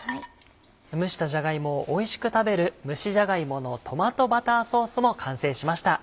蒸したじゃが芋をおいしく食べる蒸しじゃが芋のトマトバターソースも完成しました。